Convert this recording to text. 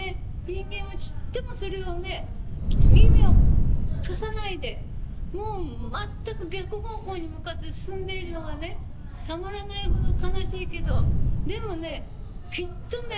人間はちっともそれをね耳を貸さないでもう全く逆方向に向かって進んでいるのがねたまらないほど悲しいけどでもねきっとね